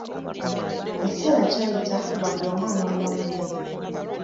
Ekiseera kyayita nga buli omu anoonya munne .